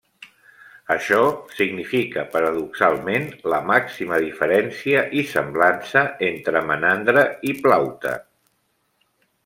Això significa, paradoxalment, la màxima diferència i semblança entre Menandre i Plaute.